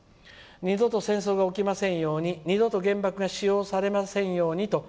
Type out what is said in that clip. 二度と戦争が起きませんように二度と原爆が使用されませんようにと。